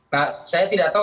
nah saya tidak tahu